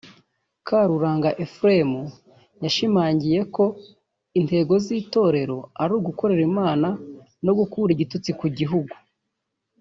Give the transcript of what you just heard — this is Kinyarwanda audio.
Karuranga Euphrem yashimangiye ko intego z’itorero ari ugukorera Imana no gukura igitutsi ku gihugu